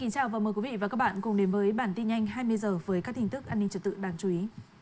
chào mừng quý vị đến với bản tin nhanh hai mươi h với các tin tức an ninh trật tự đáng chú ý